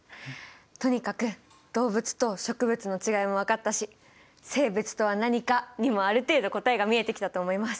とにかく動物と植物のちがいも分かったし「生物とは何か」にもある程度答えが見えてきたと思います。